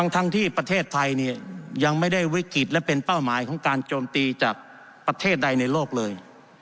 ทั้งที่ประเทศไทยยังไม่ได้วิกฤตและเป็นเป้าหมายของการโจมตีจากประเทศใดในโลกเลย